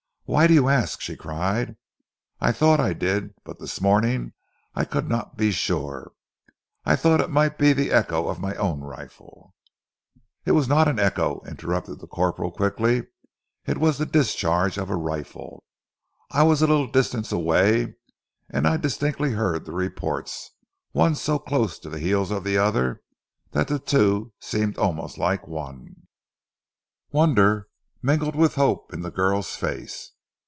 "Why do you ask?" she cried. "I thought I did, but this morning I could not be sure. I thought it might be the echo of my own rifle " "It was not an echo," interrupted the corporal quickly. "It was the discharge of a rifle. I was a little distance away, and I distinctly heard the reports, one so close on the heels of the other that the two seemed almost like one." Wonder mingled with the hope in the girl's face.